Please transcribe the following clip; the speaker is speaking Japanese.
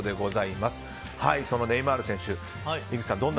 ネイマール選手、井口さん